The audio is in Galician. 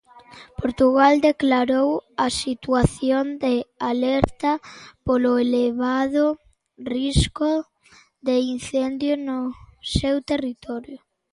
Portugal declarou a situación de alerta polo elevado risco de incendio no seu territorio.